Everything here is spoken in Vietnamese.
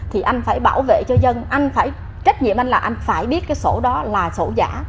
thì anh phải bảo vệ cho dân anh phải trách nhiệm anh là anh phải biết cái sổ đó là sổ giả